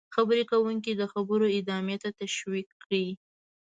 -خبرې کوونکی د خبرو ادامې ته تشویق کړئ: